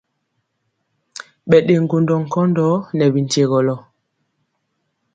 Ɓɛ ɗe ŋgondɔ nkɔndɔ nɛ binkyegɔlɔ.